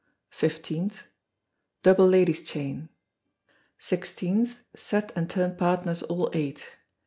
15th, Double ladies' chain. 16th, Set and turn partners all eight.